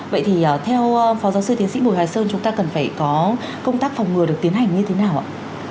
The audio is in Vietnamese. vậy thì theo phó giáo sư tiến sĩ bùi hoài sơn chúng ta cần phải có công tác phòng ngừa được tiến hành như thế nào ạ